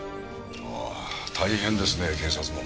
ああ大変ですねえ警察も。